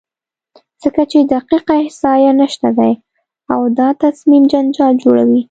ځکه چې دقیقه احصایه نشته دی او تصمیم جنجال جوړوي،